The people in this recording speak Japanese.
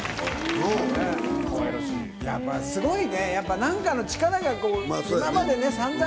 やっぱすごいねやっぱ何かの力が。